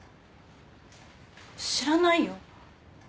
知らないよ。